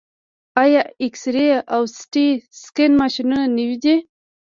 آیا اکسرې او سټي سکن ماشینونه نوي دي؟